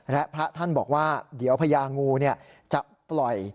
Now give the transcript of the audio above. และพระท่านบอกว่าเดี๋ยวพญางูจะปล่อย